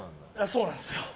そうなんですよ。